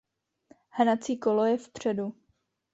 Hnací kolo je vpředu.